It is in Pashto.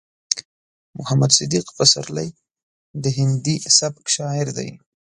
محمد صديق پسرلی د هندي سبک شاعر دی.